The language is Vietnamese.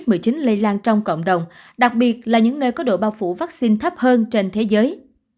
covid một mươi chín lây lan trong cộng đồng đặc biệt là những nơi có độ bao phủ vaccine thấp hơn trên thế giới